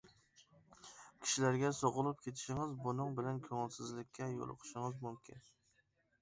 كىشىلەرگە سوقۇلۇپ كېتىشىڭىز، بۇنىڭ بىلەن كۆڭۈلسىزلىككە يولۇقۇشىڭىز مۇمكىن.